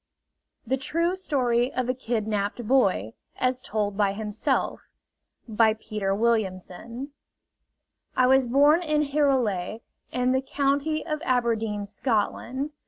THE TRUE STORY OF A KIDNAPPED BOY AS TOLD BY HIMSELF By Peter Williamson I was born in Hirulay, in the county of Aberdeen, Scotland.